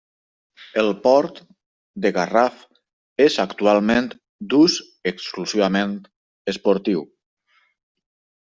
El port de Garraf és actualment d'ús exclusivament esportiu.